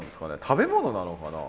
食べ物なのかな。